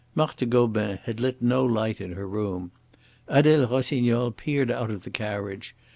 Marthe Gobin had lit no light in her room. Adele Rossignol peered out of the carriage.